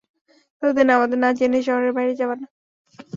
ততদিন আমাদের না জানিয়ে শহরের বাইরে যাবা না।